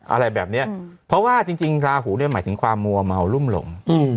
อะไรแบบนี้เพราะว่าจริงราหูเนี่ยหมายถึงความมัวเมารุ่มหลง